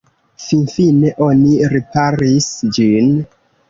Finfine oni riparis ĝin.